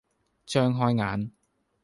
張開眼，